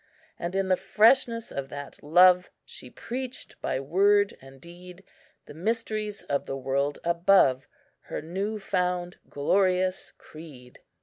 "And in the freshness of that love She preached by word and deed, The mysteries of the world above— Her new found glorious creed.